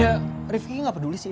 ya rifkinya gak peduli sih